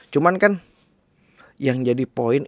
cuman kan yang jadi poin